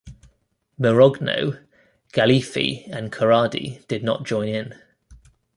Merogno, Galifi and Corradi did not join in.